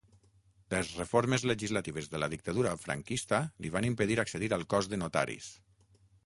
Les reformes legislatives de la dictadura franquista li van impedir accedir al cos de notaris.